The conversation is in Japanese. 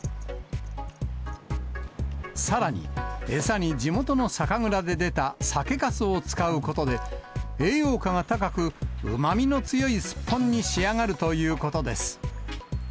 さらに、餌に地元の酒蔵で出た酒かすを使うことで、栄養価が高くうまみの強いスッポンに仕上がるということです。